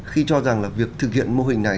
khi cho rằng là việc thực hiện mô hình này